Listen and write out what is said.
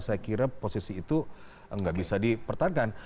saya kira posisi itu nggak bisa dipertahankan